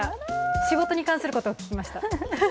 仕事に関することを聞きました。